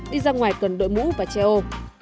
đi ra ngoài cần đội mũ và che ô